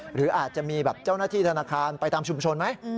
หรืออาจจะมีแบบเจ้าหน้าที่ธนาคารไปตามชุมชนไหม